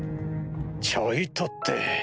ちょいとって。